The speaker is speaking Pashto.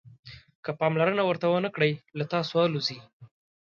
که پاملرنه ورته ونه کړئ له تاسو الوزي.